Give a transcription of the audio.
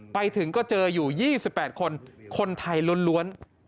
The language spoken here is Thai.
ไปถึงก็เจออยู่๒๘คนคนไทยล้วน